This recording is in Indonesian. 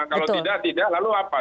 kalau tidak tidak lalu apa